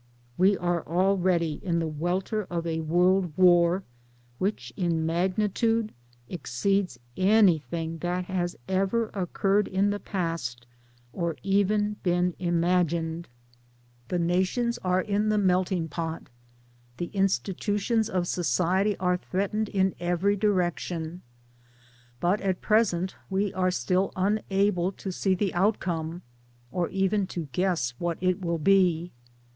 We are already in the welter of a iWorld war which in magnitude exceeds anything that has ever occurred in the past, or even been imagined. The nations 312 MY DAYS AND DREAMS are in the melting pot*; the institutions of society are threatened in every direction. But at present we are still unable to see the outcome, or even to guess what it will be.